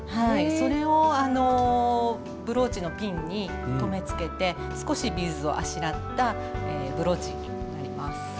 それをあのブローチのピンに留めつけて少しビーズをあしらったブローチになります。